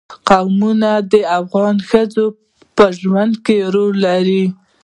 قومونه د افغان ښځو په ژوند کې رول لري.